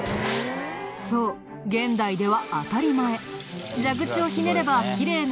そう現代では当たり前。